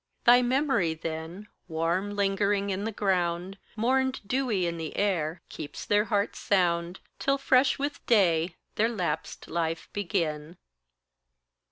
Thy memory then, warm lingering in the ground, Mourned dewy in the air, keeps their hearts sound, Till fresh with day their lapsed life begin.